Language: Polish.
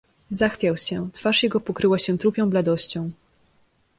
"Zachwiał się, twarz jego pokryła się trupią bladością."